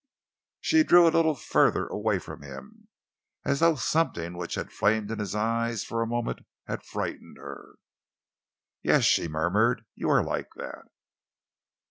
She drew a little further away from him, as though something which had flamed in his eyes for a moment had frightened her. "Yes," she murmured, "you are like that."